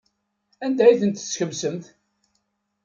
Anda ay tent-tkemsemt?